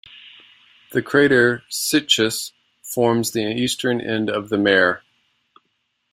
The crater Cichus forms the eastern end of the mare.